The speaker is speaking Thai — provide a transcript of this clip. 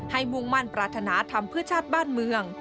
ให้มุ่งมันปรารถนาธรรมเพื่อชาติบ้านเมือง